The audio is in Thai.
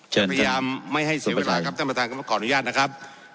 เชิญครับพยายามไม่ให้เสียเวลาครับท่านประทานขออนุญาตนะครับ